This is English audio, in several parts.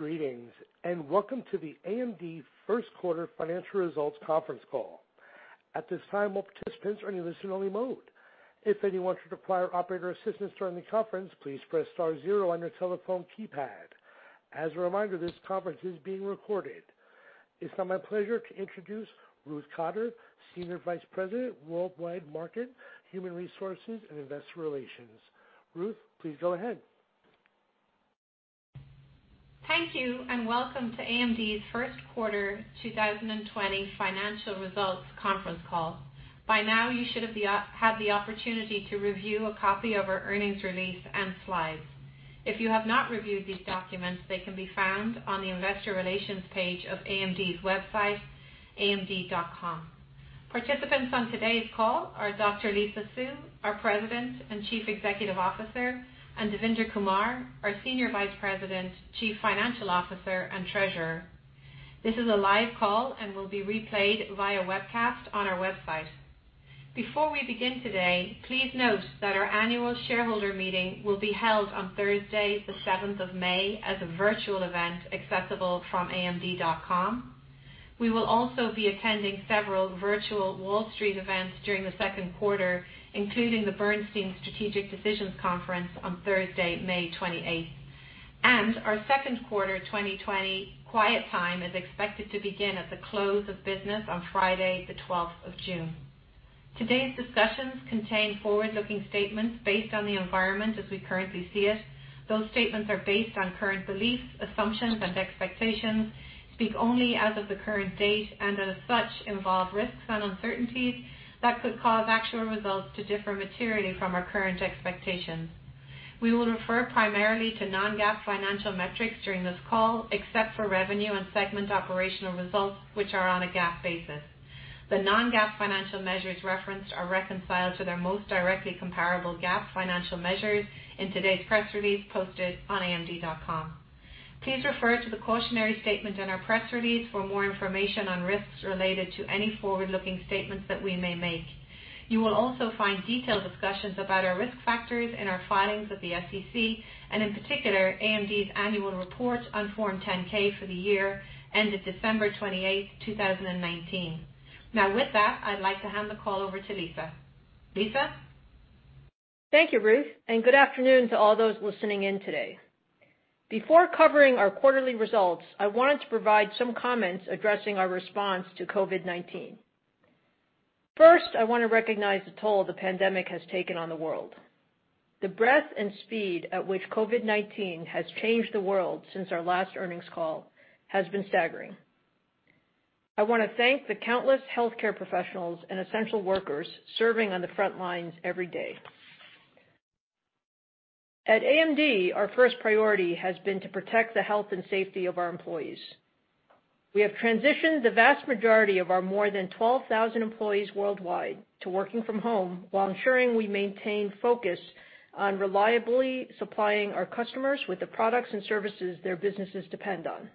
Greetings, and welcome to the AMD First Quarter Financial Results Conference Call. At this time, all participants are in listen-only mode. If anyone should require operator assistance during the conference, please press star zero on your telephone keypad. As a reminder, this conference is being recorded. It's now my pleasure to introduce Ruth Cotter, Senior Vice President, Worldwide Marketing, Human Resources, and Investor Relations. Ruth, please go ahead. Thank you, and welcome to AMD's first quarter 2020 financial results conference call. By now, you should have had the opportunity to review a copy of our earnings release and slides. If you have not reviewed these documents, they can be found on the investor relations page of AMD's website, amd.com. Participants on today's call are Dr. Lisa Su, our President and Chief Executive Officer, and Devinder Kumar, our Senior Vice President, Chief Financial Officer, and Treasurer. This is a live call and will be replayed via webcast on our website. Before we begin today, please note that our annual shareholder meeting will be held on Thursday, the May 7th as a virtual event accessible from amd.com. We will also be attending several virtual Wall Street events during the second quarter, including the Bernstein Strategic Decisions Conference on Thursday, May 28th. Our second quarter 2020 quiet time is expected to begin at the close of business on Friday, the June 12th. Today's discussions contain forward-looking statements based on the environment as we currently see it. Those statements are based on current beliefs, assumptions, and expectations, speak only as of the current date, and as such, involve risks and uncertainties that could cause actual results to differ materially from our current expectations. We will refer primarily to non-GAAP financial metrics during this call, except for revenue and segment operational results, which are on a GAAP basis. The non-GAAP financial measures referenced are reconciled to their most directly comparable GAAP financial measures in today's press release posted on amd.com. Please refer to the cautionary statement in our press release for more information on risks related to any forward-looking statements that we may make. You will also find detailed discussions about our risk factors in our filings with the SEC, and in particular, AMD's annual report on Form 10-K for the year ended December 28th, 2019. Now, with that, I'd like to hand the call over to Lisa. Lisa? Thank you, Ruth. Good afternoon to all those listening in today. Before covering our quarterly results, I wanted to provide some comments addressing our response to COVID-19. First, I want to recognize the toll the pandemic has taken on the world. The breadth and speed at which COVID-19 has changed the world since our last earnings call has been staggering. I want to thank the countless healthcare professionals and essential workers serving on the front lines every day. At AMD, our first priority has been to protect the health and safety of our employees. We have transitioned the vast majority of our more than 12,000 employees worldwide to working from home while ensuring we maintain focus on reliably supplying our customers with the products and services their businesses depend on.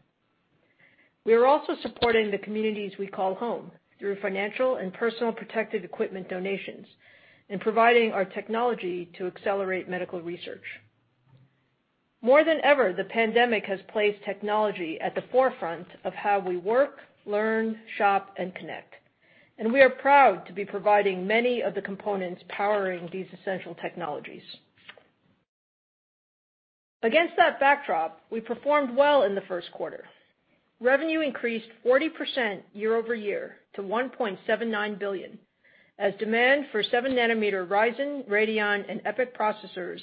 We are also supporting the communities we call home through financial and personal protective equipment donations and providing our technology to accelerate medical research. More than ever, the pandemic has placed technology at the forefront of how we work, learn, shop, and connect, and we are proud to be providing many of the components powering these essential technologies. Against that backdrop, we performed well in the first quarter. Revenue increased 40% year-over-year to $1.79 billion, as demand for 7 nm Ryzen, Radeon, and EPYC processors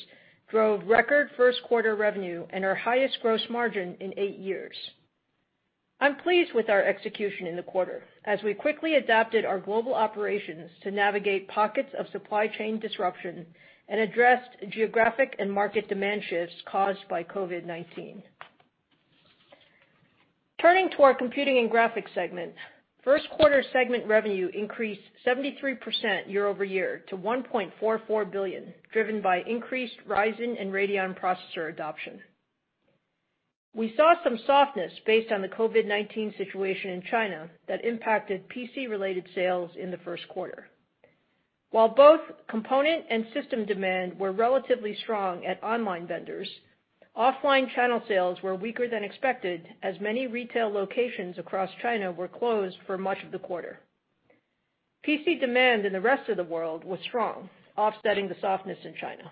drove record first quarter revenue and our highest gross margin in eight years. I'm pleased with our execution in the quarter, as we quickly adapted our global operations to navigate pockets of supply chain disruption and addressed geographic and market demand shifts caused by COVID-19. Turning to our computing and graphics segment, first quarter segment revenue increased 73% year-over-year to $1.44 billion, driven by increased Ryzen and Radeon processor adoption. We saw some softness based on the COVID-19 situation in China that impacted PC-related sales in the first quarter. While both component and system demand were relatively strong at online vendors, offline channel sales were weaker than expected as many retail locations across China were closed for much of the quarter. PC demand in the rest of the world was strong, offsetting the softness in China.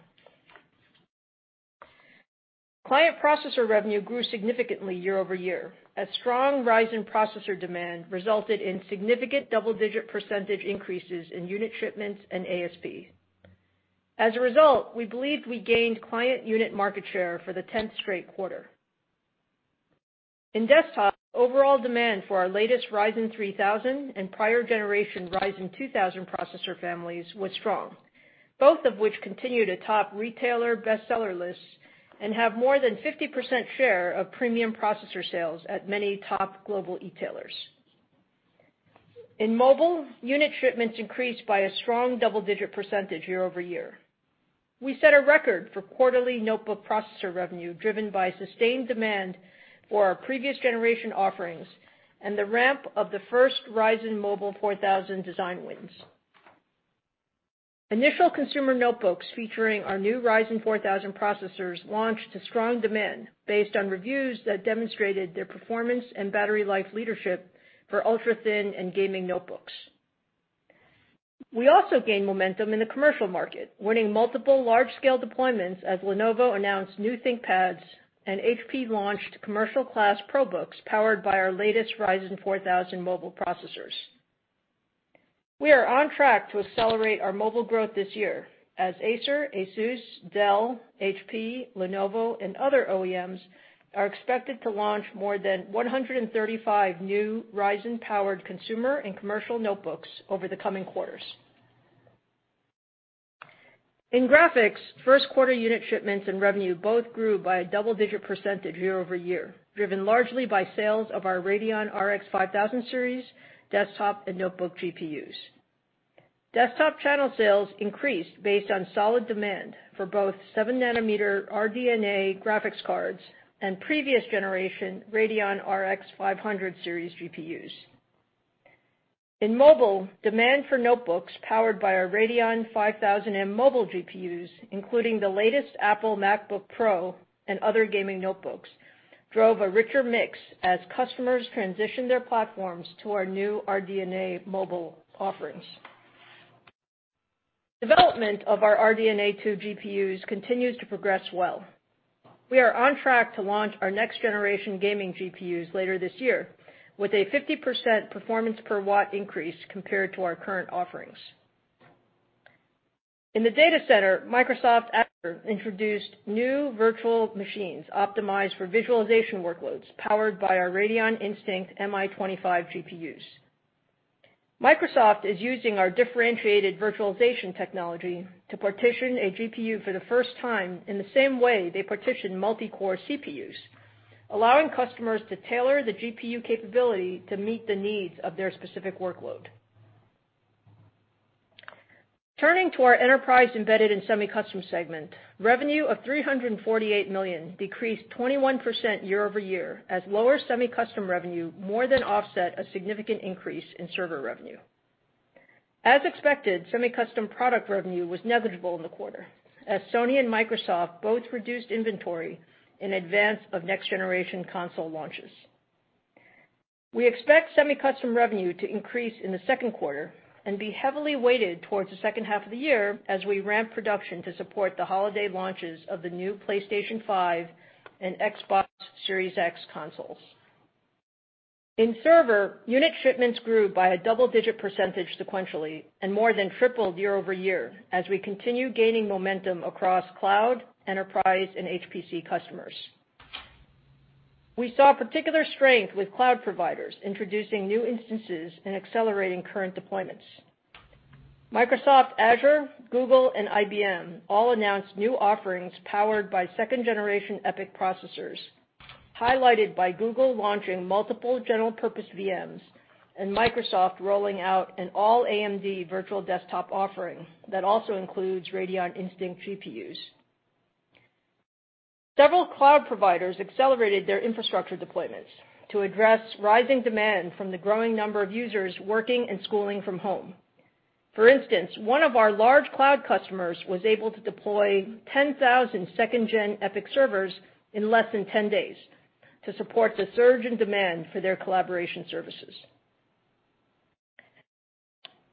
Client processor revenue grew significantly year-over-year, as strong Ryzen processor demand resulted in significant double-digit percentage increases in unit shipments and ASP. As a result, we believe we gained client unit market share for the 10th straight quarter. In desktop, overall demand for our latest Ryzen 3000 and prior generation Ryzen 2000 processor families was strong, both of which continue to top retailer best-seller lists and have more than 50% share of premium processor sales at many top global e-tailers. In mobile, unit shipments increased by a strong double-digit percentage year-over-year. We set a record for quarterly notebook processor revenue, driven by sustained demand for our previous generation offerings and the ramp of the first Ryzen Mobile 4000 design wins. Initial consumer notebooks featuring our new Ryzen 4000 processors launched to strong demand based on reviews that demonstrated their performance and battery life leadership for ultra-thin and gaming notebooks. We also gained momentum in the commercial market, winning multiple large-scale deployments as Lenovo announced new ThinkPads and HP launched commercial class ProBooks powered by our latest Ryzen 4000 mobile processors. We are on track to accelerate our mobile growth this year as Acer, ASUS, Dell, HP, Lenovo, and other OEMs are expected to launch more than 135 new Ryzen-powered consumer and commercial notebooks over the coming quarters. In graphics, first quarter unit shipments and revenue both grew by a double-digit percentage year-over-year, driven largely by sales of our Radeon RX 5000 series, desktop and notebook GPUs. Desktop channel sales increased based on solid demand for both 7 nm RDNA graphics cards and previous generation Radeon RX 500 series GPUs. In mobile, demand for notebooks powered by our Radeon 5000M mobile GPUs, including the latest Apple MacBook Pro and other gaming notebooks, drove a richer mix as customers transitioned their platforms to our new RDNA mobile offerings. Development of our RDNA 2 GPUs continues to progress well. We are on track to launch our next-generation gaming GPUs later this year with a 50% performance per watt increase compared to our current offerings. In the data center, Microsoft Azure introduced new virtual machines optimized for visualization workloads, powered by our Radeon Instinct MI25 GPUs. Microsoft is using our differentiated virtualization technology to partition a GPU for the first time in the same way they partition multi-core CPUs, allowing customers to tailor the GPU capability to meet the needs of their specific workload. Turning to our Enterprise, Embedded and Semi-Custom segment, revenue of $348 million decreased 21% year-over-year as lower semi-custom revenue more than offset a significant increase in server revenue. As expected, semi-custom product revenue was negligible in the quarter, as Sony and Microsoft both reduced inventory in advance of next generation console launches. We expect semi-custom revenue to increase in the second quarter and be heavily weighted towards the second half of the year as we ramp production to support the holiday launches of the new PlayStation 5 and Xbox Series X consoles. In server, unit shipments grew by a double-digit percentage sequentially and more than tripled year-over-year as we continue gaining momentum across cloud, enterprise, and HPC customers. We saw particular strength with cloud providers introducing new instances and accelerating current deployments. Microsoft Azure, Google, and IBM all announced new offerings powered by second-generation EPYC processors, highlighted by Google launching multiple general purpose VMs and Microsoft rolling out an all AMD virtual desktop offering that also includes Radeon Instinct GPUs. Several cloud providers accelerated their infrastructure deployments to address rising demand from the growing number of users working and schooling from home. For instance, one of our large cloud customers was able to deploy 10,000 second-gen EPYC servers in less than 10 days to support the surge in demand for their collaboration services.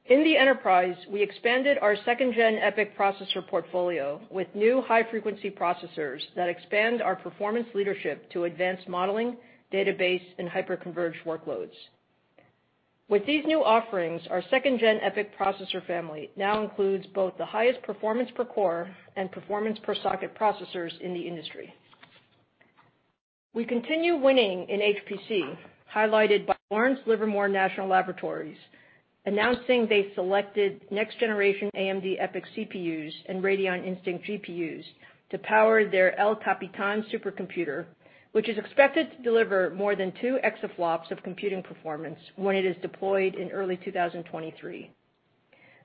In the enterprise, we expanded our second-gen EPYC processor portfolio with new high-frequency processors that expand our performance leadership to advanced modeling, database, and hyper-converged workloads. With these new offerings, our second-gen EPYC processor family now includes both the highest performance per core and performance per socket processors in the industry. We continue winning in HPC, highlighted by Lawrence Livermore National Laboratory announcing they selected next-generation AMD EPYC CPUs and Radeon Instinct GPUs to power their El Capitan supercomputer, which is expected to deliver more than two exaflops of computing performance when it is deployed in early 2023.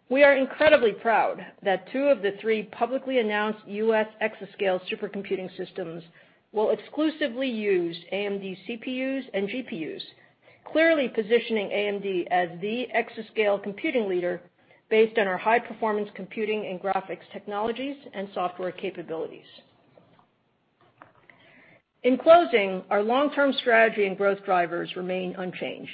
We are incredibly proud that two of the three publicly announced U.S. exascale supercomputing systems will exclusively use AMD CPUs and GPUs, clearly positioning AMD as the exascale computing leader based on our high-performance computing and graphics technologies and software capabilities. In closing, our long-term strategy and growth drivers remain unchanged.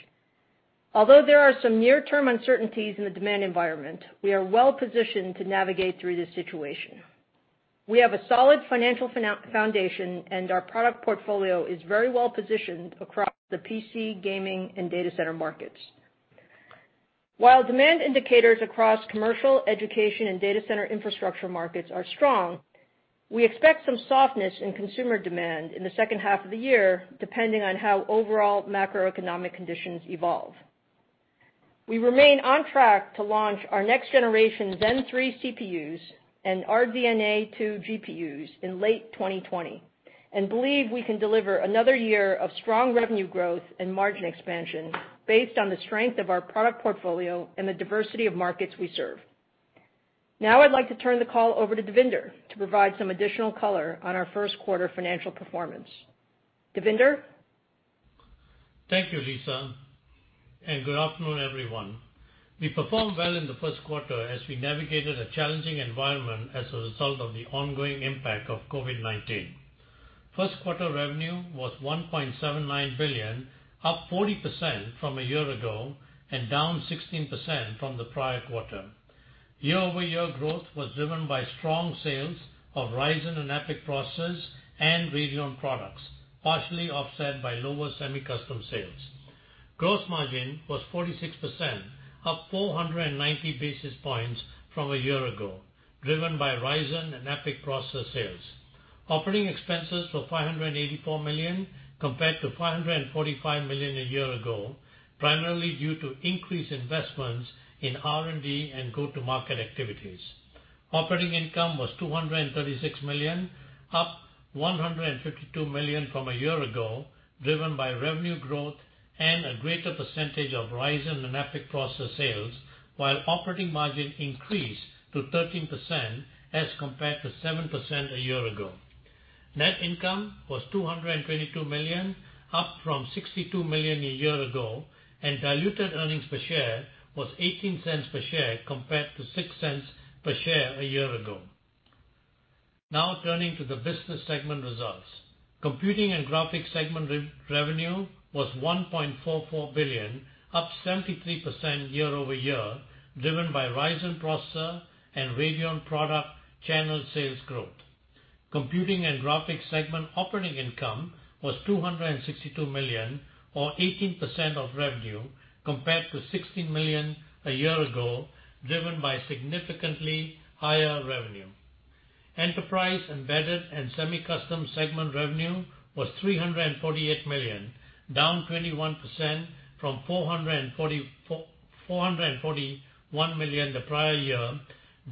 Although there are some near-term uncertainties in the demand environment, we are well positioned to navigate through this situation. We have a solid financial foundation, and our product portfolio is very well positioned across the PC, gaming, and data center markets. While demand indicators across commercial, education, and data center infrastructure markets are strong, we expect some softness in consumer demand in the second half of the year, depending on how overall macroeconomic conditions evolve. We remain on track to launch our next generation Zen 3 CPUs and RDNA 2 GPUs in late 2020 and believe we can deliver another year of strong revenue growth and margin expansion based on the strength of our product portfolio and the diversity of markets we serve. Now I'd like to turn the call over to Devinder to provide some additional color on our first quarter financial performance. Devinder? Thank you, Lisa, good afternoon, everyone. We performed well in the first quarter as we navigated a challenging environment as a result of the ongoing impact of COVID-19. First quarter revenue was $1.79 billion, up 40% from a year-ago and down 16% from the prior quarter. Year-over-year growth was driven by strong sales of Ryzen and EPYC processors and Radeon products, partially offset by lower semi-custom sales. Gross margin was 46%, up 490 basis points from a year-ago, driven by Ryzen and EPYC processor sales. Operating expenses were $584 million, compared to $545 million a year-ago, primarily due to increased investments in R&D and go-to-market activities. Operating income was $236 million, up $152 million from a year-ago, driven by revenue growth and a greater percentage of Ryzen and EPYC processor sales, while operating margin increased to 13% as compared to 7% a year-ago. Net income was $222 million, up from $62 million a year ago, and diluted earnings per share was $0.18 per share, compared to $0.06 per share a year ago. Turning to the business segment results. Computing and Graphics segment revenue was $1.44 billion, up 73% year-over-year, driven by Ryzen processor and Radeon product channel sales growth. Computing and Graphics segment operating income was $262 million, or 18% of revenue, compared to $16 million a year ago, driven by significantly higher revenue. Enterprise, Embedded and Semi-Custom segment revenue was $348 million, down 21% from $441 million the prior year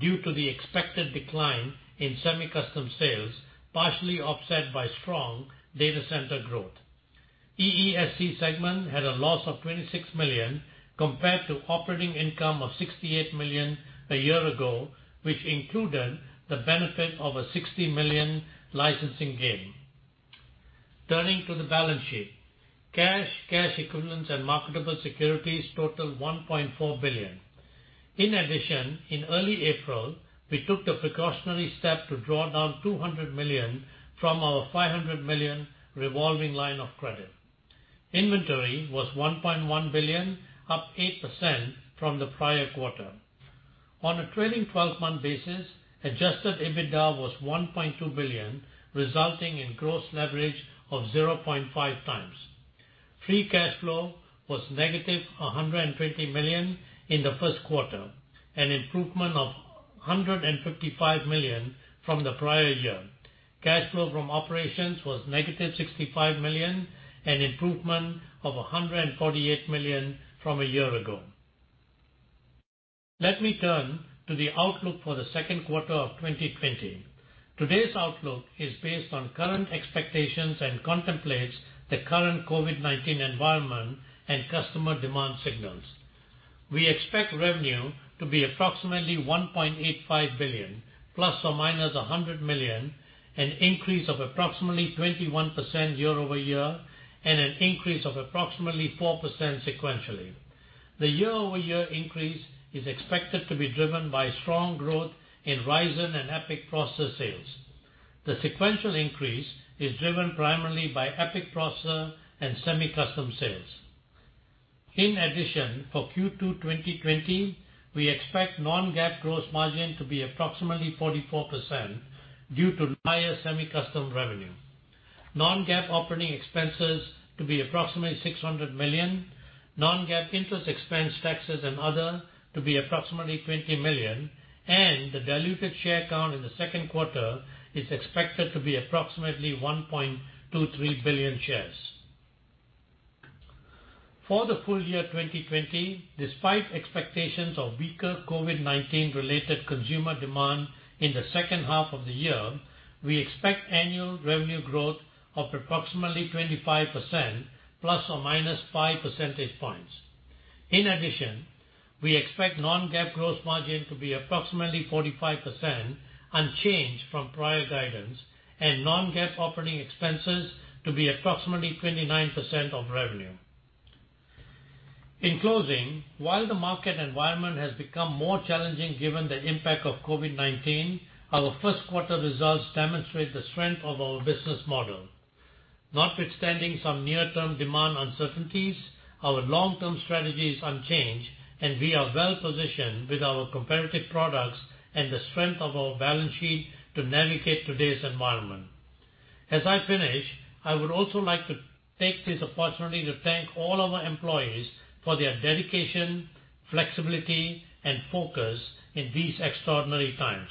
due to the expected decline in Semi-Custom sales, partially offset by strong data center growth. EESC segment had a loss of $26 million, compared to operating income of $68 million a year ago, which included the benefit of a $60 million licensing gain. Turning to the balance sheet. Cash, cash equivalents, and marketable securities total $1.4 billion. In addition, in early April, we took the precautionary step to draw down $200 million from our $500 million revolving line of credit. Inventory was $1.1 billion, up 8% from the prior quarter. On a trailing 12-month basis, adjusted EBITDA was $1.2 billion, resulting in gross leverage of 0.5X. Free cash flow was -$150 million in the first quarter, an improvement of $155 million from the prior year. Cash flow from operations was -$65 million, an improvement of $148 million from a year ago. Let me turn to the outlook for the second quarter of 2020. Today's outlook is based on current expectations and contemplates the current COVID-19 environment and customer demand signals. We expect revenue to be approximately $1.85 billion, ±$100 million, an increase of approximately 21% year-over-year, and an increase of approximately 4% sequentially. The year-over-year increase is expected to be driven by strong growth in Ryzen and EPYC processor sales. The sequential increase is driven primarily by EPYC processor and semi-custom sales. In addition, for Q2 2020, we expect non-GAAP gross margin to be approximately 44% due to higher semi-custom revenue, non-GAAP operating expenses to be approximately $600 million, non-GAAP interest expense, taxes, and other to be approximately $20 million, and the diluted share count in the second quarter is expected to be approximately 1.23 billion shares. For the full year 2020, despite expectations of weaker COVID-19 related consumer demand in the second half of the year, we expect annual revenue growth of approximately 25%, ±5 percentage points. In addition, we expect non-GAAP gross margin to be approximately 45%, unchanged from prior guidance, and non-GAAP operating expenses to be approximately 29% of revenue. In closing, while the market environment has become more challenging given the impact of COVID-19, our first quarter results demonstrate the strength of our business model. Notwithstanding some near-term demand uncertainties, our long-term strategy is unchanged, and we are well-positioned with our competitive products and the strength of our balance sheet to navigate today's environment. As I finish, I would also like to take this opportunity to thank all our employees for their dedication, flexibility, and focus in these extraordinary times.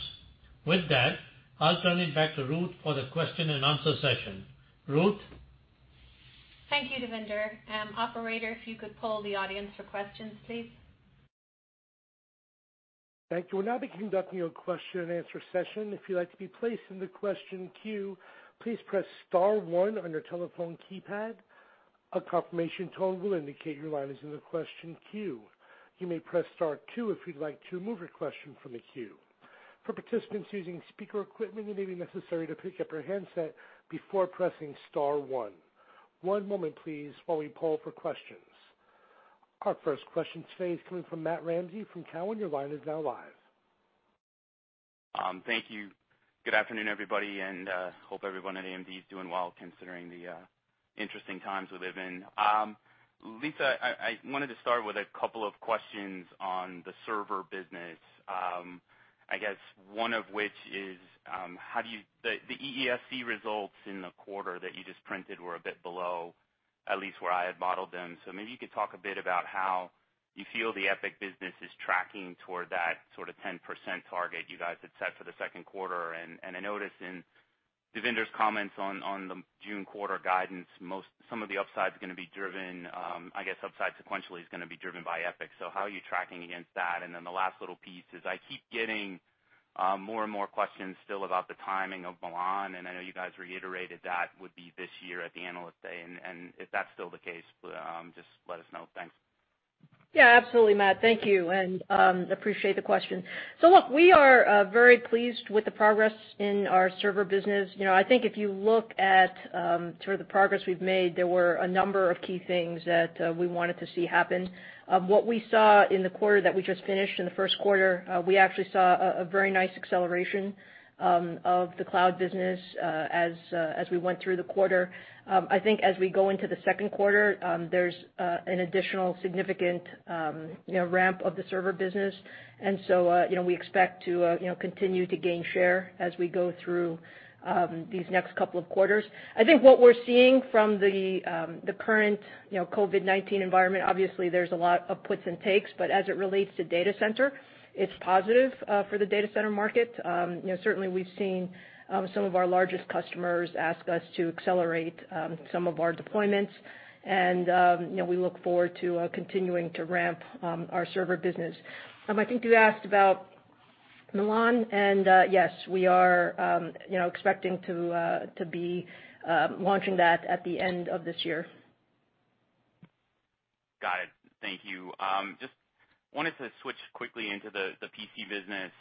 With that, I'll turn it back to Ruth for the question and answer session. Ruth? Thank you, Devinder. Operator, if you could poll the audience for questions, please. Thank you. We'll now be conducting a question and answer session. If you'd like to be placed in the question queue, please press star one on your telephone keypad. A confirmation tone will indicate your line is in the question queue. You may press star two if you'd like to remove your question from the queue. For participants using speaker equipment, it may be necessary to pick up your handset before pressing star one. One moment please, while we poll for questions. Our first question today is coming from Matt Ramsay from Cowen. Your line is now live. Thank you. Good afternoon, everybody, and hope everyone at AMD is doing well considering the interesting times we live in. Lisa, I wanted to start with a couple of questions on the server business. I guess one of which is, the EESC results in the quarter that you just printed were a bit below, at least where I had modeled them. Maybe you could talk a bit about how you feel the EPYC business is tracking toward that 10% target you guys had set for the second quarter. I noticed in Devinder's comments on the June quarter guidance, some of the upside sequentially is going to be driven by EPYC. How are you tracking against that? The last little piece is I keep getting more and more questions still about the timing of Milan, and I know you guys reiterated that would be this year at the Analyst Day. If that's still the case, just let us know. Thanks. Absolutely, Matt. Thank you, and appreciate the question. Look, we are very pleased with the progress in our server business. I think if you look at sort of the progress we've made, there were a number of key things that we wanted to see happen. What we saw in the quarter that we just finished, in the first quarter, we actually saw a very nice acceleration of the cloud business as we went through the quarter. I think as we go into the second quarter, there's an additional significant ramp of the server business. We expect to continue to gain share as we go through these next couple of quarters. I think what we're seeing from the current COVID-19 environment, obviously there's a lot of puts and takes, but as it relates to data center, it's positive for the data center market. Certainly we've seen some of our largest customers ask us to accelerate some of our deployments, and we look forward to continuing to ramp our server business. I think you asked about Milan, and yes, we are expecting to be launching that at the end of this year. Got it. Thank you. Just wanted to switch quickly into the PC business.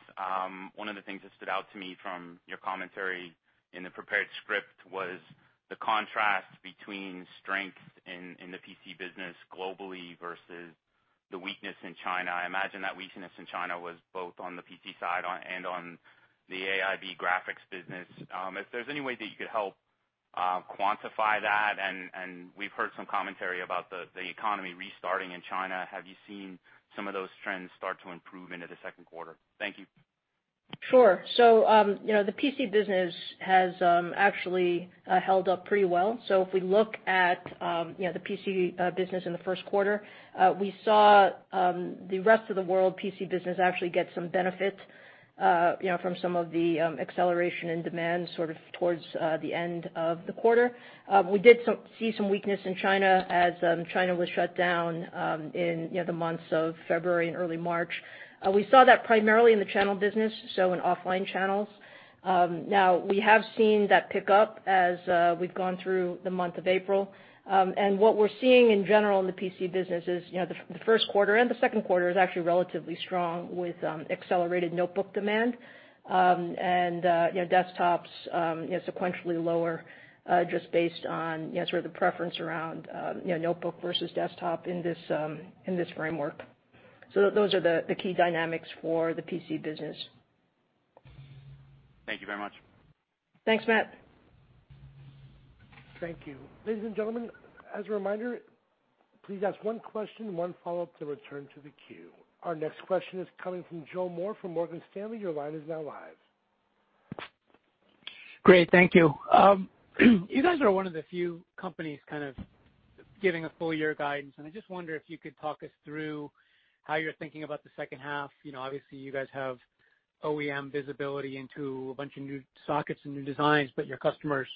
One of the things that stood out to me from your commentary in the prepared script was the contrast between strength in the PC business globally versus the weakness in China. I imagine that weakness in China was both on the PC side and on the AIB graphics business. If there's any way that you could help quantify that, and we've heard some commentary about the economy restarting in China. Have you seen some of those trends start to improve into the second quarter? Thank you. Sure. The PC business has actually held up pretty well. If we look at the PC business in the first quarter, we saw the rest of the world PC business actually get some benefit from some of the acceleration in demand sort of towards the end of the quarter. We did see some weakness in China as China was shut down in the months of February and early March. We saw that primarily in the channel business, so in offline channels. We have seen that pick up as we've gone through the month of April. What we're seeing in general in the PC business is the first quarter and the second quarter is actually relatively strong with accelerated notebook demand. Desktops sequentially lower just based on sort of the preference around notebook versus desktop in this framework. Those are the key dynamics for the PC business. Thank you very much. Thanks, Matt. Thank you. Ladies and gentlemen, as a reminder, please ask one question, one follow-up to return to the queue. Our next question is coming from Joe Moore from Morgan Stanley. Your line is now live. Great, thank you. You guys are one of the few companies kind of giving a full year guidance, and I just wonder if you could talk us through how you're thinking about the second half. Obviously, you guys have OEM visibility into a bunch of new sockets and new designs, but your customers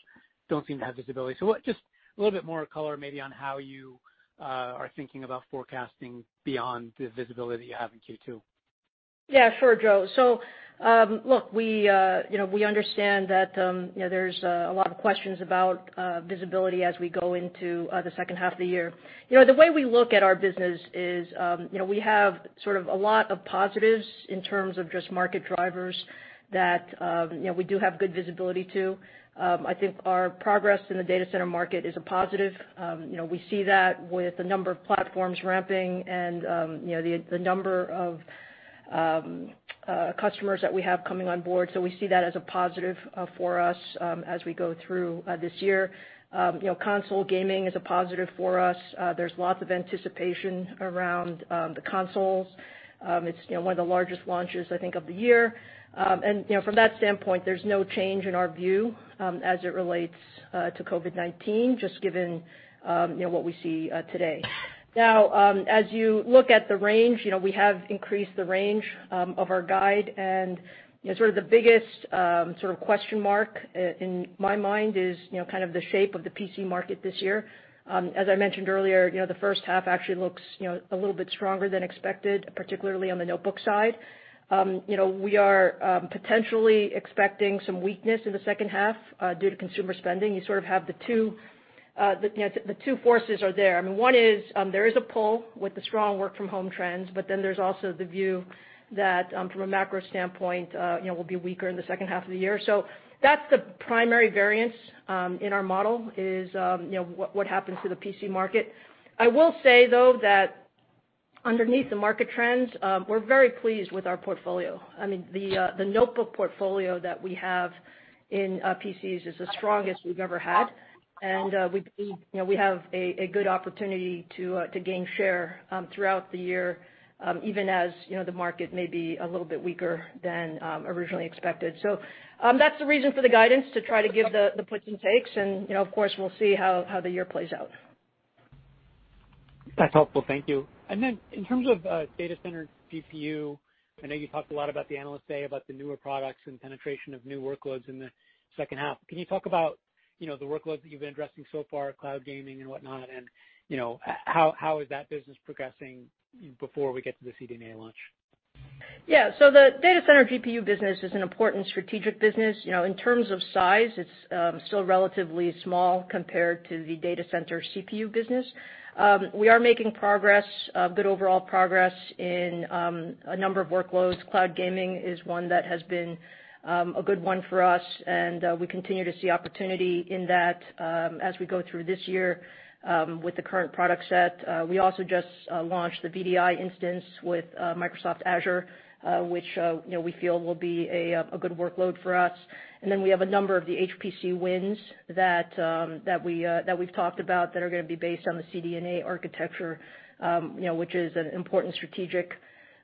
don't seem to have visibility. Just a little bit more color maybe on how you are thinking about forecasting beyond the visibility you have in Q2. Yeah, sure, Joe. We understand that there's a lot of questions about visibility as we go into the second half of the year. The way we look at our business is we have sort of a lot of positives in terms of just market drivers that we do have good visibility to. I think our progress in the data center market is a positive. We see that with the number of platforms ramping and the number of customers that we have coming on board. We see that as a positive for us as we go through this year. Console gaming is a positive for us. There's lots of anticipation around the consoles. It's one of the largest launches, I think, of the year. There's no change in our view as it relates to COVID-19, just given what we see today. As you look at the range, we have increased the range of our guide, and sort of the biggest sort of question mark in my mind is kind of the shape of the PC market this year. As I mentioned earlier, the first half actually looks a little bit stronger than expected, particularly on the notebook side. We are potentially expecting some weakness in the second half due to consumer spending. You sort of have the two forces are there. I mean, one is, there is a pull with the strong work from home trends, but then there's also the view that from a macro standpoint will be weaker in the second half of the year. That's the primary variance in our model is what happens to the PC market. I will say, though, that underneath the market trends, we're very pleased with our portfolio. I mean, the notebook portfolio that we have in PCs is the strongest we've ever had. We have a good opportunity to gain share throughout the year, even as the market may be a little bit weaker than originally expected. That's the reason for the guidance, to try to give the puts and takes, and of course, we'll see how the year plays out. That's helpful. Thank you. In terms of data center GPU, I know you talked a lot about the Analyst Day, about the newer products and penetration of new workloads in the second half. Can you talk about the workloads that you've been addressing so far, cloud gaming and whatnot, and how is that business progressing before we get to the CDNA launch? Yeah. The data center GPU business is an important strategic business. In terms of size, it's still relatively small compared to the data center CPU business. We are making progress, a good overall progress in a number of workloads. Cloud gaming is one that has been a good one for us. We continue to see opportunity in that as we go through this year with the current product set. We also just launched the VDI instance with Microsoft Azure, which we feel will be a good workload for us. We have a number of the HPC wins that we've talked about that are going to be based on the CDNA architecture, which is an important strategic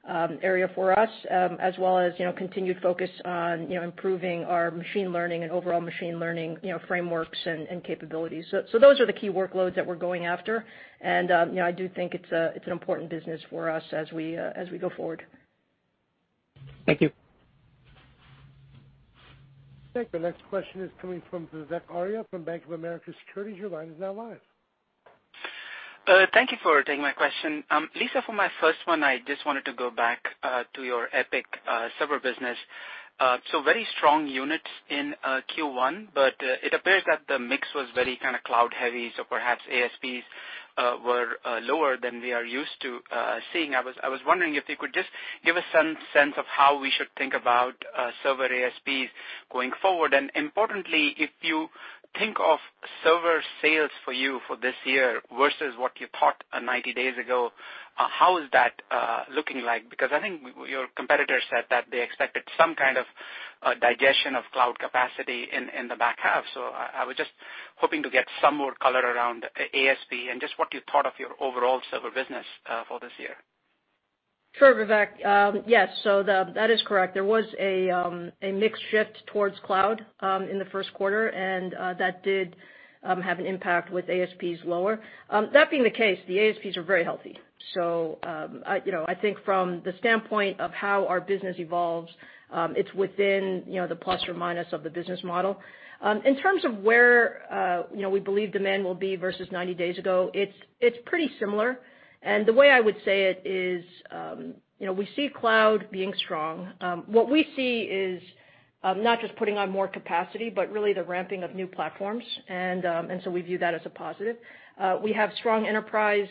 area for us, as well as continued focus on improving our machine learning and overall machine learning frameworks and capabilities. Those are the key workloads that we're going after, and I do think it's an important business for us as we go forward. Thank you. Okay, the next question is coming from Vivek Arya from Bank of America Securities. Your line is now live. Thank you for taking my question. Lisa, for my first one, I just wanted to go back to your EPYC server business. Very strong units in Q1, but it appears that the mix was very cloud heavy, perhaps ASPs were lower than we are used to seeing. I was wondering if you could just give us some sense of how we should think about server ASPs going forward. Importantly, if you think of server sales for you for this year versus what you thought 90 days ago, how is that looking like? I think your competitor said that they expected some kind of digestion of cloud capacity in the back half. I was just hoping to get some more color around ASP and just what you thought of your overall server business for this year. Sure, Vivek. Yes, that is correct. There was a mix shift towards cloud in the first quarter, and that did have an impact with ASPs lower. That being the case, the ASPs are very healthy. I think from the standpoint of how our business evolves, it's within the plus or minus of the business model. In terms of where we believe demand will be versus 90 days ago, it's pretty similar. The way I would say it is we see cloud being strong. What we see is not just putting on more capacity, but really the ramping of new platforms, and so we view that as a positive. We have strong enterprise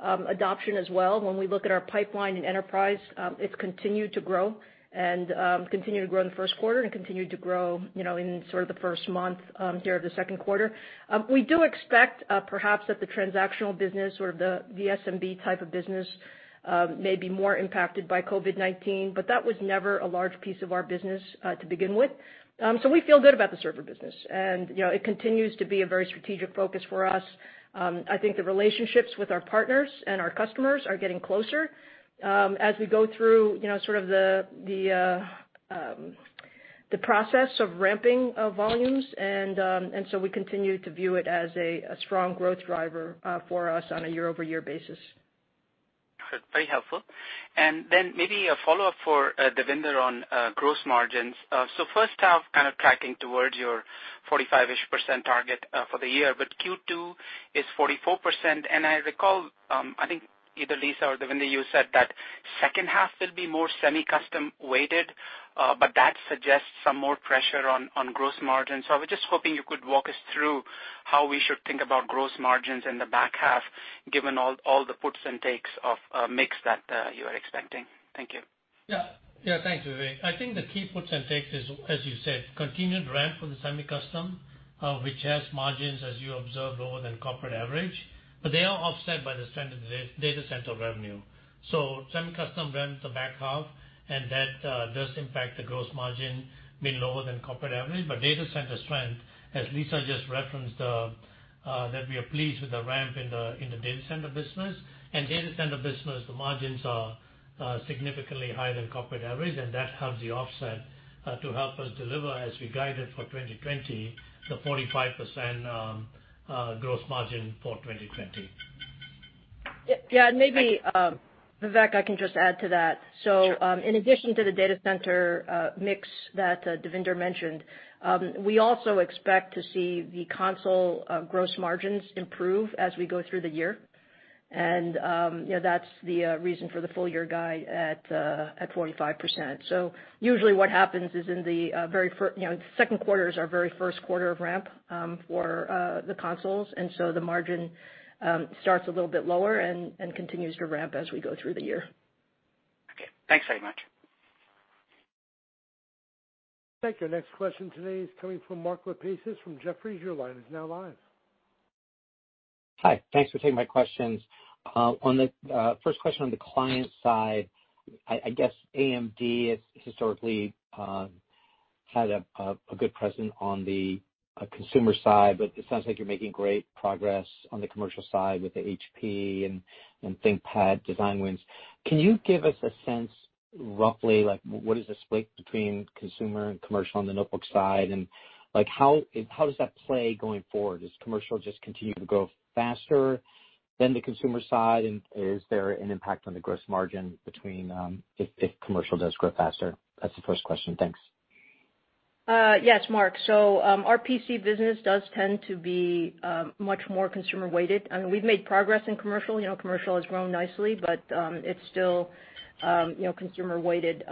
adoption as well. When we look at our pipeline in enterprise, it's continued to grow and continued to grow in the first quarter and continued to grow in sort of the first month here of the second quarter. We do expect perhaps that the transactional business or the SMB type of business may be more impacted by COVID-19, but that was never a large piece of our business to begin with. We feel good about the server business, and it continues to be a very strategic focus for us. I think the relationships with our partners and our customers are getting closer as we go through sort of the process of ramping volumes, and so we continue to view it as a strong growth driver for us on a year-over-year basis. Very helpful. Maybe a follow-up for Devinder on gross margins. First half kind of tracking towards your 45%-ish target for the year, but Q2 is 44%. I recall, I think either Lisa or Devinder, you said that second half will be more semi-custom weighted, but that suggests some more pressure on gross margin. I was just hoping you could walk us through how we should think about gross margins in the back half, given all the puts and takes of mix that you are expecting. Thank you. Thanks, Vivek. I think the key puts and takes is, as you said, continued ramp for the semi-custom, which has margins, as you observed, lower than corporate average. They are offset by the strength of data center revenue. Semi-custom ramps the back half, and that does impact the gross margin being lower than corporate average. Data center strength, as Lisa just referenced, that we are pleased with the ramp in the data center business. Data center business, the margins are significantly higher than corporate average, and that helps the offset to help us deliver as we guided for 2020, the 45% gross margin for 2020. Yeah. Maybe, Vivek, I can just add to that. Sure. In addition to the data center mix that Devinder mentioned, we also expect to see the console gross margins improve as we go through the year. That's the reason for the full year guide at 45%. Usually what happens is in the Second quarter is our very first quarter of ramp, for the consoles. The margin starts a little bit lower and continues to ramp as we go through the year. Okay. Thanks very much. Thank you. Next question today is coming from Mark Lipacis from Jefferies. Your line is now live. Hi. Thanks for taking my questions. First question on the client side, I guess AMD has historically had a good presence on the consumer side, but it sounds like you're making great progress on the commercial side with the HP and ThinkPad design wins. Can you give us a sense, roughly, like what is the split between consumer and commercial on the notebook side, and how does that play going forward? Does commercial just continue to grow faster than the consumer side? Is there an impact on the gross margin between, if commercial does grow faster? That's the first question. Thanks. Yes, Mark. Our PC business does tend to be much more consumer weighted. We've made progress in commercial. Commercial has grown nicely, but it's still consumer weighted.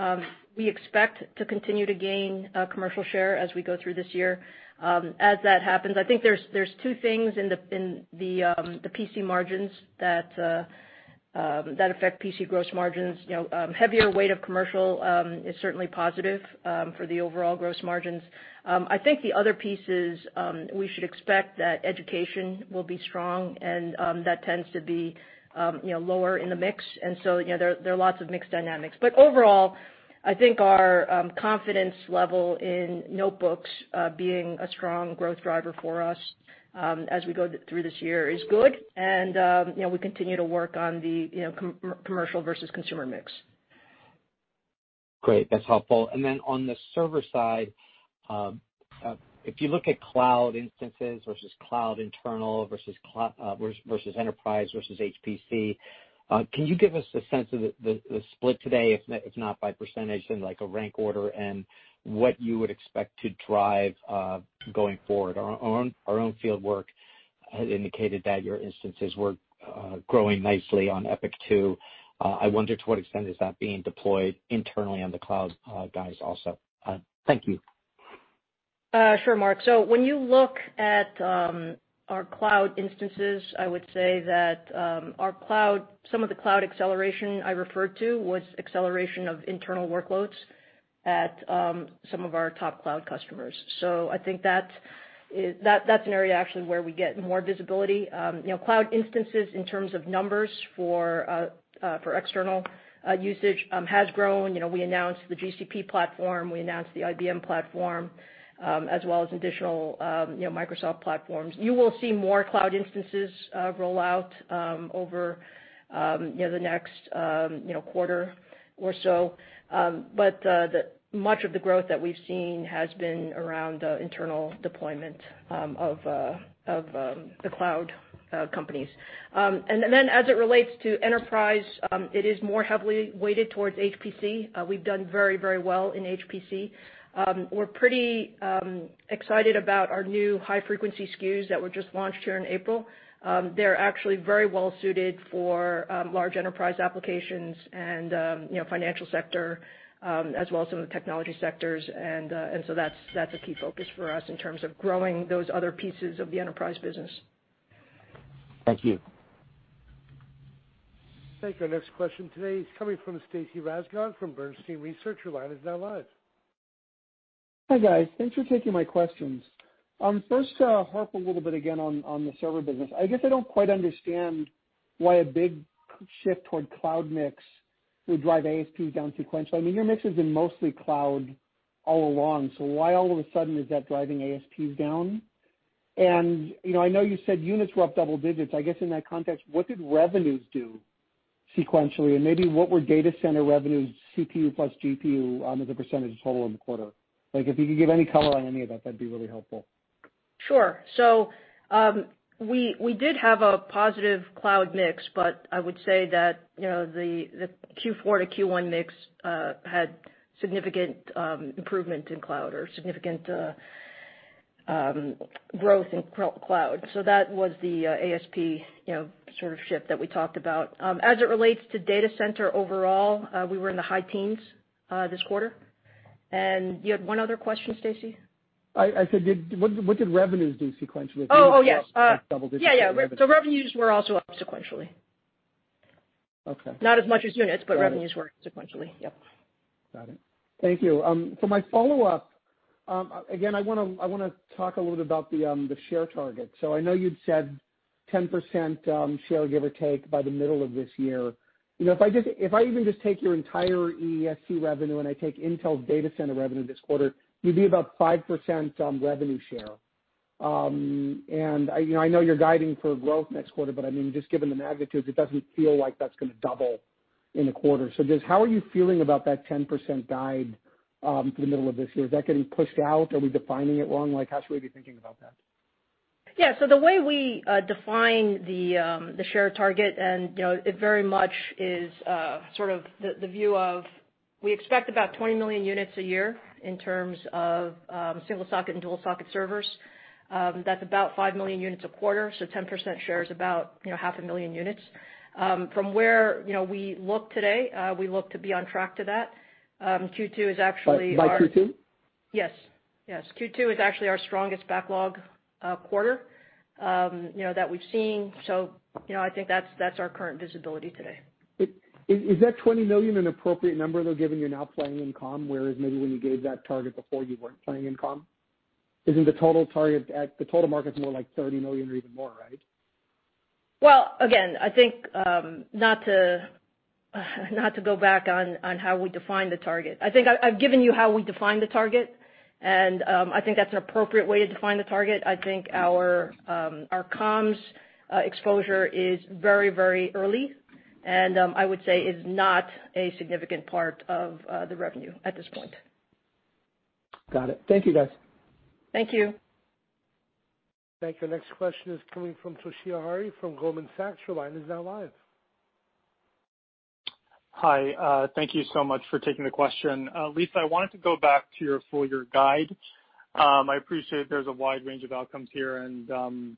We expect to continue to gain commercial share as we go through this year. As that happens, I think there's two things in the PC margins that affect PC gross margins. Heavier weight of commercial is certainly positive for the overall gross margins. I think the other piece is, we should expect that education will be strong, and that tends to be lower in the mix. There are lots of mix dynamics. Overall, I think our confidence level in notebooks being a strong growth driver for us as we go through this year is good, and we continue to work on the commercial versus consumer mix. Great. That's helpful. Then on the server side, if you look at cloud instances versus cloud internal versus enterprise versus HPC, can you give us a sense of the split today, if not by percentage, then like a rank order and what you would expect to drive going forward? Our own field work had indicated that your instances were growing nicely on EPYC 2. I wonder to what extent is that being deployed internally on the cloud side also. Thank you. Sure, Mark. When you look at our cloud instances, I would say that some of the cloud acceleration I referred to was acceleration of internal workloads at some of our top cloud customers. Cloud instances in terms of numbers for external usage, has grown. We announced the GCP platform, we announced the IBM platform, as well as additional Microsoft platforms. You will see more cloud instances roll out over the next quarter or so. Much of the growth that we've seen has been around internal deployment of the cloud companies. As it relates to enterprise, it is more heavily weighted towards HPC. We've done very well in HPC. We're pretty excited about our new high frequency SKUs that were just launched here in April. They're actually very well-suited for large enterprise applications and financial sector, as well as some of the technology sectors. That's a key focus for us in terms of growing those other pieces of the enterprise business. Thank you. Thank you. Our next question today is coming from Stacy Rasgon from Bernstein Research. Your line is now live. Hi, guys. Thanks for taking my questions. First, to harp a little bit again on the server business. I guess I don't quite understand why a big shift toward cloud mix would drive ASPs down sequentially. I mean, your mix has been mostly cloud all along, so why all of a sudden is that driving ASPs down? I know you said units were up double digits. I guess in that context, what did revenues do sequentially? Maybe what were data center revenues, CPU plus GPU, as a percentage of total in the quarter? If you could give any color on any of that'd be really helpful. Sure. We did have a positive cloud mix, but I would say that the Q4 to Q1 mix had significant improvement in cloud or significant growth in cloud. That was the ASP sort of shift that we talked about. As it relates to data center overall, we were in the high 10s this quarter. You had one other question, Stacy? I said, what did revenues do sequentially? Oh, yes. Double digits. Yeah. Revenues were also up sequentially. Okay. Not as much as units, but revenues were sequentially. Yep. Got it. Thank you. For my follow-up, again, I want to talk a little bit about the share target. I know you'd said 10% share, give or take, by the middle of this year. If I even just take your entire EESC revenue, and I take Intel's data center revenue this quarter, you'd be about 5% revenue share. I know you're guiding for growth next quarter, but I mean, just given the magnitudes, it doesn't feel like that's going to double in a quarter. Just how are you feeling about that 10% guide for the middle of this year? Is that getting pushed out? Are we defining it wrong? Like, how should we be thinking about that? Yeah. The way we define the share target, we expect about 20 million units a year in terms of single-socket and dual-socket servers. That's about five million units a quarter, so 10% share is about 500,000 units. From where we look today, we look to be on track to that. Q2 is actually our- By Q2? Yes. Q2 is actually our strongest backlog quarter that we've seen, so I think that's our current visibility today. Is that $20 million an appropriate number, though, given you're now playing in comm, whereas maybe when you gave that target before you weren't playing in comm? Isn't the total market's more like $30 million or even more, right? Well, again, I think, not to go back on how we define the target. I think I've given you how we define the target, and I think that's an appropriate way to define the target. I think our comms exposure is very early, and I would say is not a significant part of the revenue at this point. Got it. Thank you, guys. Thank you. Thank you. Next question is coming from Toshiya Hari from Goldman Sachs. Your line is now live. Hi. Thank you so much for taking the question. Lisa, I wanted to go back to your full year guide. I appreciate there's a wide range of outcomes here, and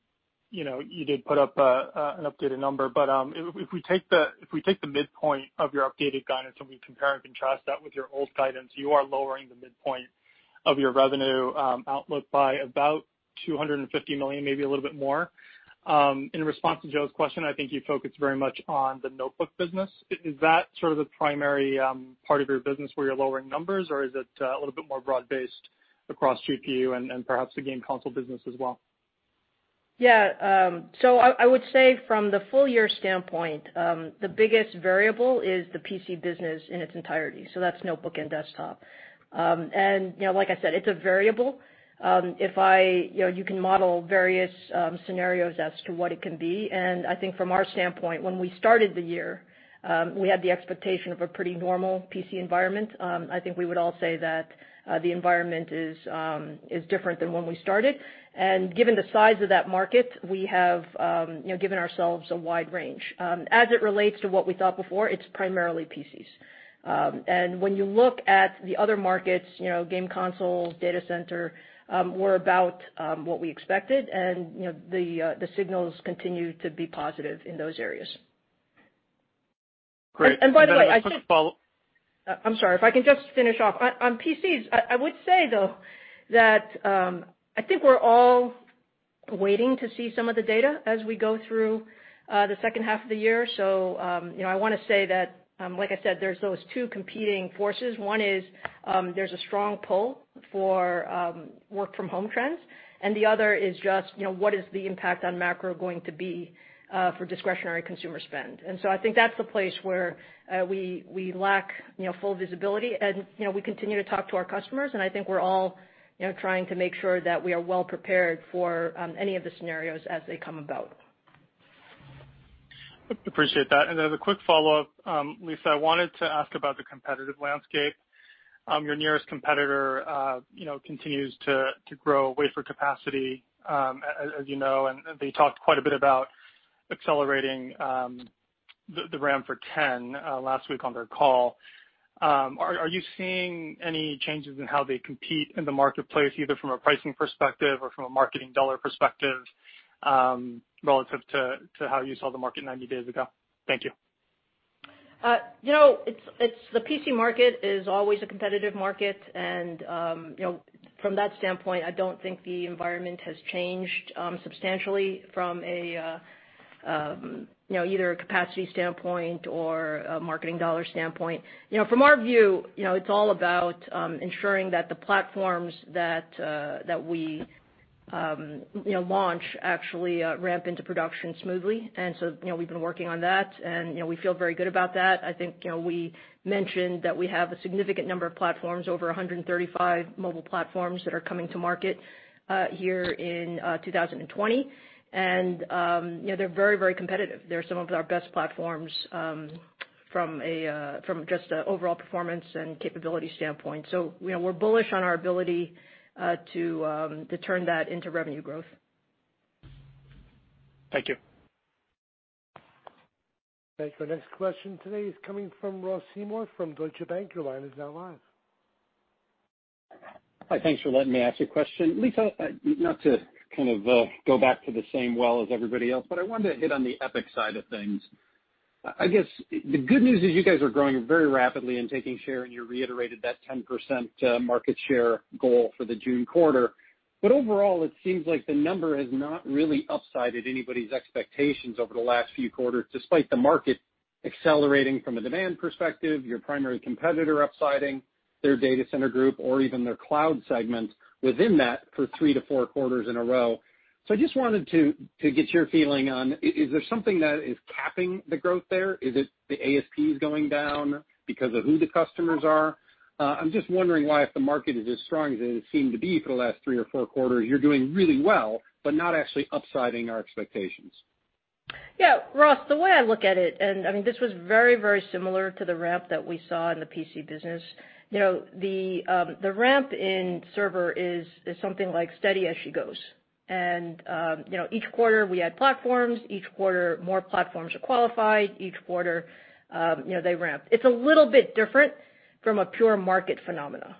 you did put up an updated number. If we take the midpoint of your updated guidance and we compare and contrast that with your old guidance, you are lowering the midpoint of your revenue outlook by about $250 million, maybe a little bit more. In response to Joe's question, I think you focused very much on the notebook business. Is that sort of the primary part of your business where you're lowering numbers, or is it a little bit more broad-based across GPU and perhaps the game console business as well? I would say from the full year standpoint, the biggest variable is the PC business in its entirety. That's notebook and desktop. Like I said, it's a variable. You can model various scenarios as to what it can be. I think from our standpoint, when we started the year, we had the expectation of a pretty normal PC environment. I think we would all say that the environment is different than when we started. Given the size of that market, we have given ourselves a wide range. As it relates to what we thought before, it's primarily PCs. When you look at the other markets, game console, data center, we're about what we expected, and the signals continue to be positive in those areas. Great. I just have a follow-up. By the way, I'm sorry. If I can just finish off. On PCs, I would say, though, that I think we're all waiting to see some of the data as we go through the second half of the year. I want to say that, like I said, there's those two competing forces. One is, there's a strong pull for work from home trends. The other is just, what is the impact on macro going to be for discretionary consumer spend? I think that's the place where we lack full visibility. We continue to talk to our customers, and I think we're all trying to make sure that we are well prepared for any of the scenarios as they come about. Appreciate that. As a quick follow-up, Lisa, I wanted to ask about the competitive landscape. Your nearest competitor continues to grow wafer capacity, as you know, and they talked quite a bit about accelerating the ramp for 10 last week on their call. Are you seeing any changes in how they compete in the marketplace, either from a pricing perspective or from a marketing dollar perspective, relative to how you saw the market 90 days ago? Thank you. The PC market is always a competitive market and from that standpoint, I don't think the environment has changed substantially from either a capacity standpoint or a marketing dollar standpoint. From our view, it's all about ensuring that the platforms that we launch actually ramp into production smoothly. We've been working on that, and we feel very good about that. I think we mentioned that we have a significant number of platforms, over 135 mobile platforms that are coming to market here in 2020. They're very competitive. They're some of our best platforms from just an overall performance and capability standpoint. We're bullish on our ability to turn that into revenue growth. Thank you. Thanks. Our next question today is coming from Ross Seymore from Deutsche Bank. Your line is now live. Hi. Thanks for letting me ask a question. Lisa, not to go back to the same well as everybody else, but I wanted to hit on the EPYC side of things. I guess the good news is you guys are growing very rapidly and taking share, and you reiterated that 10% market share goal for the June quarter. Overall, it seems like the number has not really upsided anybody's expectations over the last few quarters, despite the market accelerating from a demand perspective, your primary competitor upsiding their data center group or even their cloud segment within that for three to four quarters in a row. I just wanted to get your feeling on, is there something that is capping the growth there? Is it the ASPs going down because of who the customers are? I'm just wondering why if the market is as strong as it has seemed to be for the last three or four quarters, you're doing really well, but not actually upsiding our expectations. Yeah, Ross, the way I look at it. This was very similar to the ramp that we saw in the PC business. The ramp in server is something like steady as she goes. Each quarter we add platforms, each quarter more platforms are qualified, each quarter they ramp. It's a little bit different from a pure market phenomena.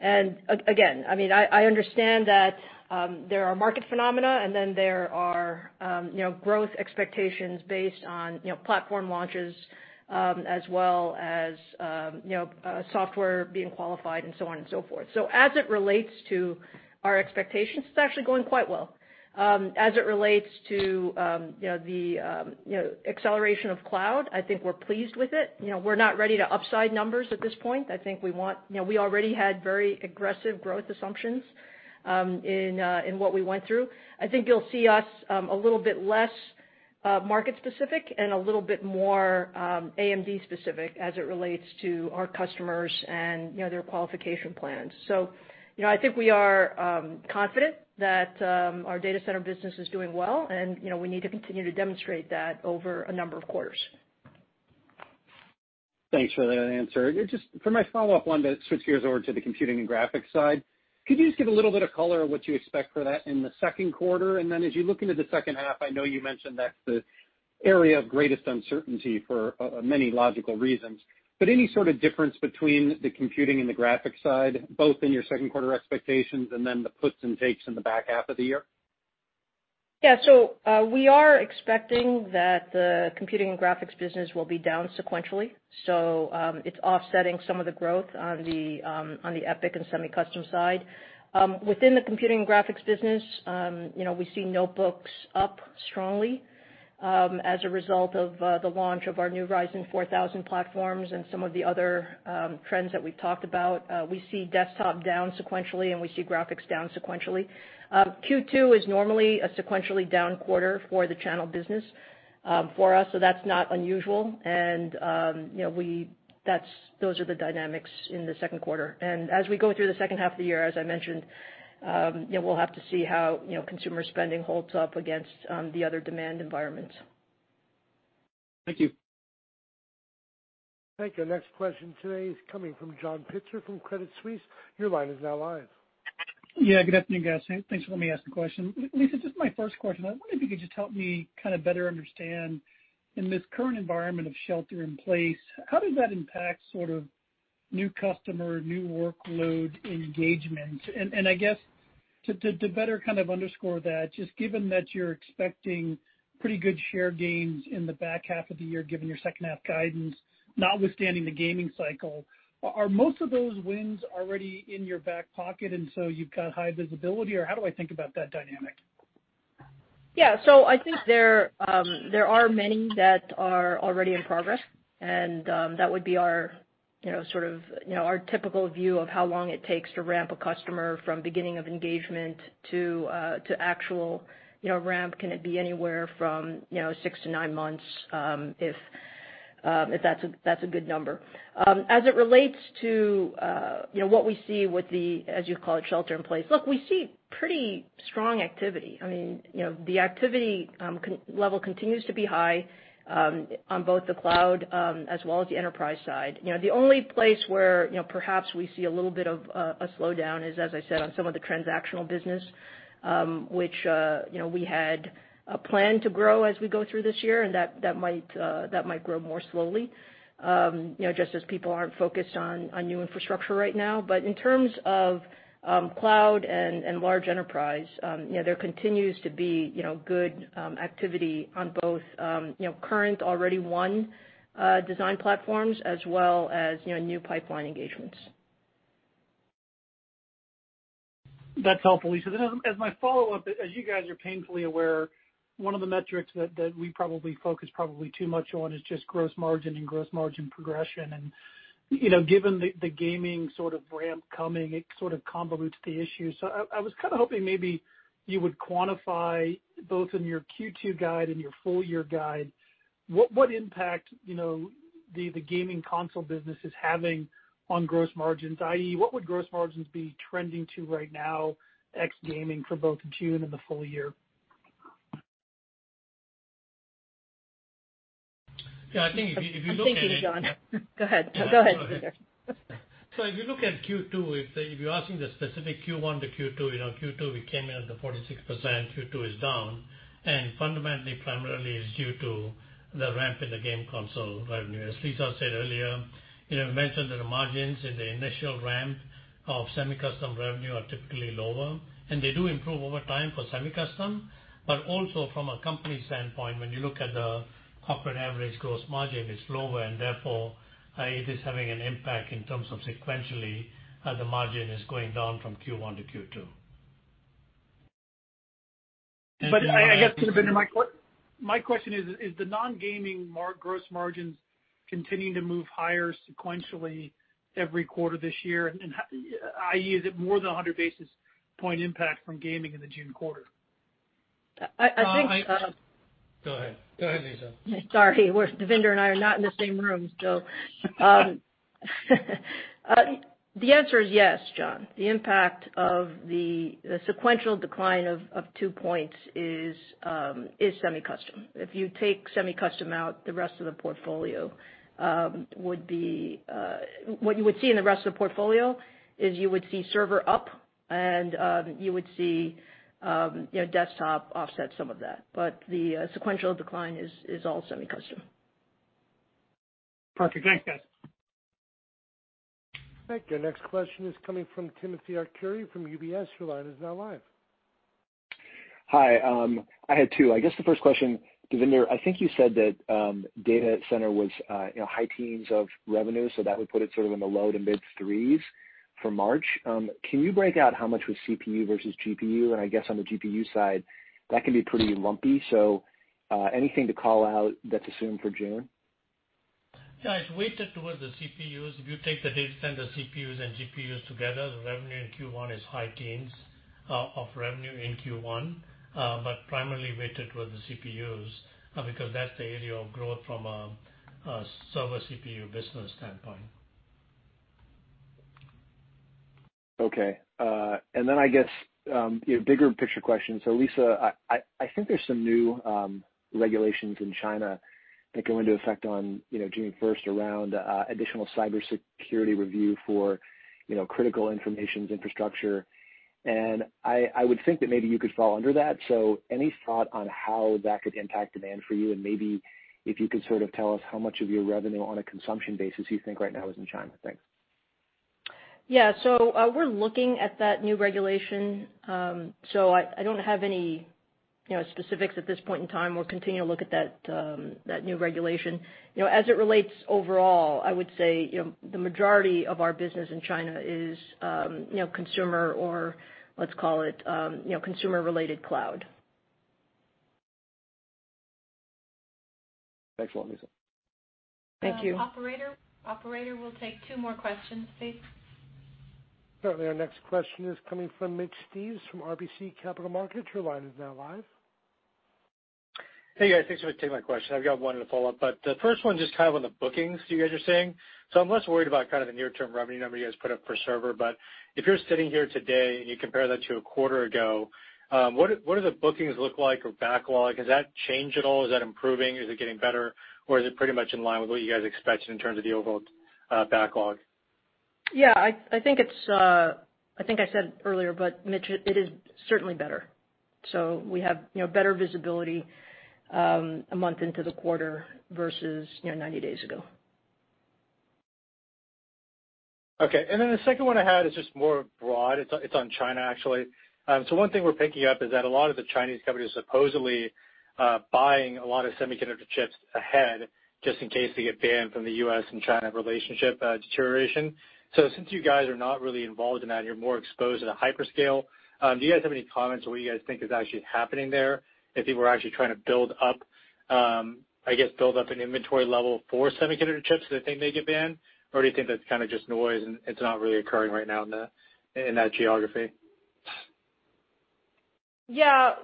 Again, I understand that there are market phenomena and then there are growth expectations based on platform launches, as well as software being qualified and so on and so forth. As it relates to our expectations, it's actually going quite well. As it relates to the acceleration of cloud, I think we're pleased with it. We're not ready to upside numbers at this point. I think we already had very aggressive growth assumptions in what we went through. I think you'll see us a little bit less market specific and a little bit more AMD specific as it relates to our customers and their qualification plans. I think we are confident that our data center business is doing well, and we need to continue to demonstrate that over a number of quarters. Thanks for that answer. Just for my follow-up, wanted to switch gears over to the computing and graphics side. Could you just give a little bit of color on what you expect for that in the second quarter? As you look into the second half, I know you mentioned that's the area of greatest uncertainty for many logical reasons, but any sort of difference between the computing and the graphics side, both in your second quarter expectations and then the puts and takes in the back half of the year? Yeah. We are expecting that the computing and graphics business will be down sequentially. It's offsetting some of the growth on the EPYC and semi-custom side. Within the computing and graphics business, we see notebooks up strongly as a result of the launch of our new Ryzen 4000 platforms and some of the other trends that we've talked about. We see desktop down sequentially, and we see graphics down sequentially. Q2 is normally a sequentially down quarter for the channel business for us, so that's not unusual. Those are the dynamics in the second quarter. As we go through the second half of the year, as I mentioned, we'll have to see how consumer spending holds up against the other demand environments. Thank you. Thank you. Next question today is coming from John Pitzer from Credit Suisse. Your line is now live. Yeah, good afternoon, guys. Thanks for letting me ask the question. Lisa, just my first question, I wonder if you could just help me kind of better understand in this current environment of shelter in place, how does that impact sort of new customer, new workload engagement? I guess to better kind of underscore that, just given that you're expecting pretty good share gains in the back half of the year, given your second half guidance, notwithstanding the gaming cycle, are most of those wins already in your back pocket and so you've got high visibility? Or how do I think about that dynamic? I think there are many that are already in progress, and that would be our sort of typical view of how long it takes to ramp a customer from beginning of engagement to actual ramp. Can it be anywhere from six to nine months, if that's a good number. As it relates to what we see with the, as you call it, shelter in place. Look, we see pretty strong activity. I mean, the activity level continues to be high on both the cloud, as well as the enterprise side. The only place where perhaps we see a little bit of a slowdown is, as I said, on some of the transactional business, which we had planned to grow as we go through this year, and that might grow more slowly, just as people aren't focused on new infrastructure right now. In terms of cloud and large enterprise, there continues to be good activity on both current already won design platforms as well as new pipeline engagements. That's helpful, Lisa. As my follow-up, as you guys are painfully aware, one of the metrics that we probably focus too much on is just gross margin and gross margin progression. Given the gaming sort of ramp coming, it sort of convolutes the issue. I was kind of hoping maybe you would quantify, both in your Q2 guide and your full year guide, what impact the gaming console business is having on gross margins, i.e., what would gross margins be trending to right now, ex gaming for both June and the full year? I'm thinking, John. Go ahead, Devinder. If you look at Q2, if you're asking the specific Q1 to Q2 we came in at the 46%, Q2 is down, and fundamentally, primarily is due to the ramp in the game console revenue. As Lisa said earlier, mentioned that the margins in the initial ramp of semi-custom revenue are typically lower, and they do improve over time for semi-custom. Also from a company standpoint, when you look at the corporate average gross margin is lower, and therefore, it is having an impact in terms of sequentially how the margin is going down from Q1 to Q2. I guess, Devinder, my question is the non-gaming gross margins continuing to move higher sequentially every quarter this year, i.e., is it more than 100 basis point impact from gaming in the June quarter? I think- Go ahead. Go ahead, Lisa. Sorry. Devinder and I are not in the same room. The answer is yes, John. The impact of the sequential decline of two points is Semi-Custom. If you take Semi-Custom out, the rest of the portfolio what you would see in the rest of the portfolio is you would see server up. You would see desktop offset some of that. The sequential decline is all Semi-Custom. Perfect. Thanks, guys. Thank you. Next question is coming from Timothy Arcuri from UBS. Your line is now live. Hi. I had two. I guess the first question, Devinder, I think you said that data center was high teens of revenue, so that would put it sort of in the low to mid threes for March. Can you break out how much was CPU versus GPU? I guess on the GPU side, that can be pretty lumpy. Anything to call out that's assumed for June? It's weighted towards the CPUs. If you take the data center CPUs and GPUs together, the revenue in Q1 is high 10s of revenue in Q1, but primarily weighted towards the CPUs, because that's the area of growth from a server CPU business standpoint. Okay. I guess, bigger picture question. Lisa, I think there's some new regulations in China that go into effect on June 1st around additional cybersecurity review for critical information infrastructure. I would think that maybe you could fall under that, so any thought on how that could impact demand for you and maybe if you could sort of tell us how much of your revenue on a consumption basis you think right now is in China? Thanks. Yeah. We're looking at that new regulation. I don't have any specifics at this point in time. We'll continue to look at that new regulation. As it relates overall, I would say the majority of our business in China is consumer or let's call it consumer-related cloud. Thanks a lot, Lisa. Thank you. Operator. We'll take two more questions please. Certainly. Our next question is coming from Mitch Steves from RBC Capital Markets. Your line is now live. Hey, guys. Thanks for taking my question. I've got one and a follow-up. The first one just on the bookings you guys are seeing. I'm less worried about the near-term revenue number you guys put up for server, but if you're sitting here today and you compare that to a quarter ago, what do the bookings look like or backlog? Has that changed at all? Is that improving? Is it getting better, or is it pretty much in line with what you guys expected in terms of the overall backlog? Yeah, I think I said earlier, Mitch, it is certainly better. We have better visibility a month into the quarter versus 90 days ago. Okay. The second one I had is just more broad. It's on China, actually. One thing we're picking up is that a lot of the Chinese companies are supposedly buying a lot of semiconductor chips ahead just in case they get banned from the U.S. and China relationship deterioration. Since you guys are not really involved in that, and you're more exposed to the hyperscale, do you guys have any comments on what you guys think is actually happening there? If people are actually trying to build up an inventory level for semiconductor chips that they may get banned, or do you think that's just noise and it's not really occurring right now in that geography? Yeah.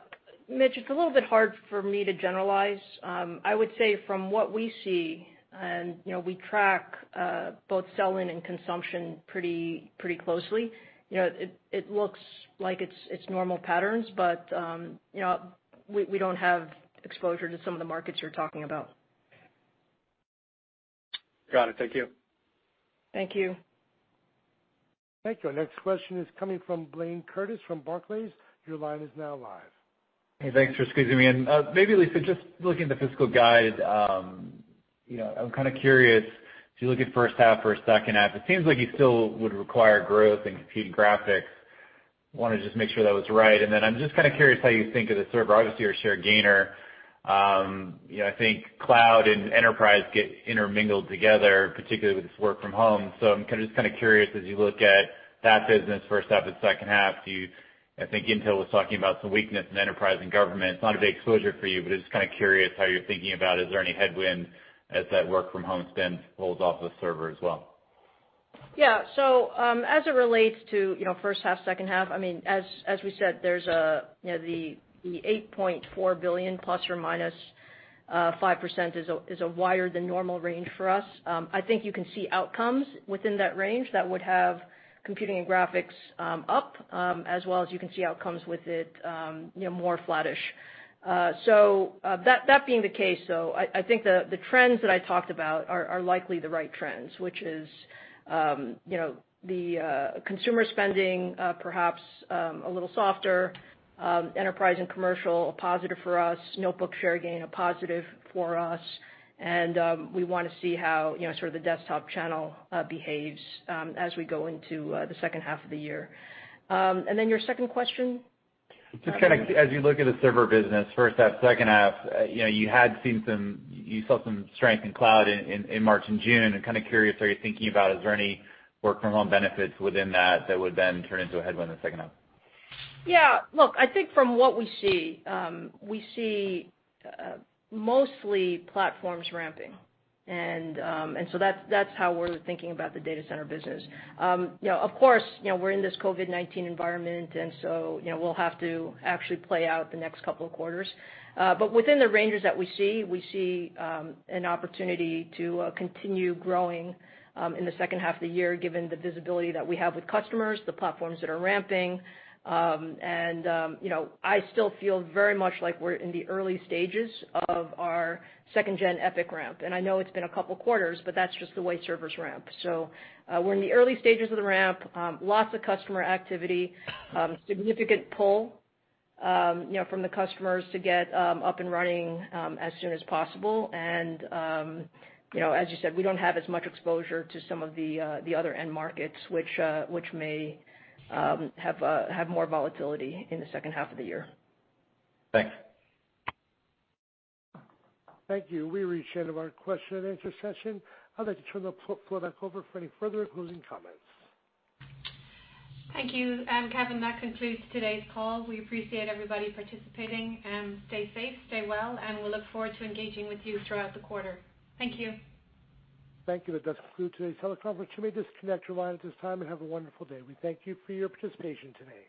Mitch, it's a little bit hard for me to generalize. I would say from what we see, and we track both sell-in and consumption pretty closely, it looks like it's normal patterns, but we don't have exposure to some of the markets you're talking about. Got it. Thank you. Thank you. Thank you. Our next question is coming from Blayne Curtis from Barclays. Your line is now live. Hey, thanks for squeezing me in. Maybe Lisa, just looking at the fiscal guide, I'm curious if you look at first half versus second half, it seems like you still would require growth in compute and graphics. Wanted to just make sure that was right. I'm just curious how you think of the server. Obviously, your share gainer. I think cloud and enterprise get intermingled together, particularly with this work from home. I'm just curious, as you look at that business first half and second half, I think Intel was talking about some weakness in enterprise and government. It's not a big exposure for you, but just curious how you're thinking about, is there any headwind as that work from home spend rolls off of server as well? As it relates to first half, second half, as we said, there's the $8.4 billion ±5% is a wider than normal range for us. I think you can see outcomes within that range that would have computing and graphics up, as well as you can see outcomes with it more flattish. That being the case though, I think the trends that I talked about are likely the right trends, which is the consumer spending perhaps a little softer, enterprise and commercial, a positive for us, notebook share gain, a positive for us, and we want to see how the desktop channel behaves as we go into the second half of the year. Then your second question? Just as you look at the server business first half, second half, you saw some strength in cloud in March and June. I'm curious, are you thinking about, is there any work from home benefits within that would then turn into a headwind in the second half? Yeah. Look, I think from what we see, we see mostly platforms ramping, that's how we're thinking about the data center business. Of course, we're in this COVID-19 environment, we'll have to actually play out the next couple of quarters. Within the ranges that we see, we see an opportunity to continue growing in the second half of the year, given the visibility that we have with customers, the platforms that are ramping. I still feel very much like we're in the early stages of our 2nd Gen EPYC ramp. I know it's been a couple quarters, but that's just the way servers' ramp. We're in the early stages of the ramp. Lots of customer activity, significant pull from the customers to get up and running as soon as possible. As you said, we don't have as much exposure to some of the other end markets, which may have more volatility in the second half of the year. Thanks. Thank you. We've reached the end of our question and answer session. I'd like to turn the floor back over for any further closing comments. Thank you, Kevin. That concludes today's call. We appreciate everybody participating, and stay safe, stay well, and we'll look forward to engaging with you throughout the quarter. Thank you. Thank you. That does conclude today's teleconference. You may disconnect your line at this time, and have a wonderful day. We thank you for your participation today.